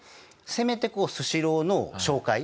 せめてスシローの紹介。